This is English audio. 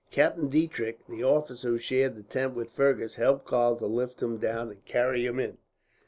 Captain Diedrich, the officer who shared the tent with Fergus, helped Karl to lift him down and carry him in.